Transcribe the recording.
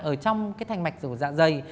ở trong thành mạch dạng dày